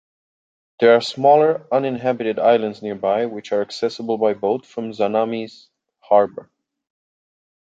There are smaller, uninhabited islands nearby which are accessible by boat from Zamami's harbour.